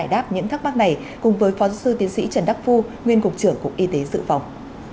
giải đáp những thắc mắc này cùng với phó sư tiến sĩ trần đắc phu nguyên cục trưởng cục y tế dự phòng